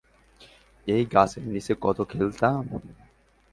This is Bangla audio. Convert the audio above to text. এই গাছের নিচে কত খেলতাম!